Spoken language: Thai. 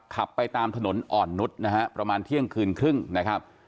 ขับไปตามถนนอ่อนนุษย์นะฮะประมาณเที่ยงคืนครึ่งนะครับ